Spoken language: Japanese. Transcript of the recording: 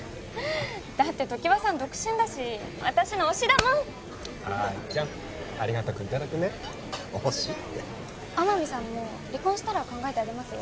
だって常盤さん独身だし私の推しだもん愛ちゃんありがたくいただくね推しって天海さんも離婚したら考えてあげますよ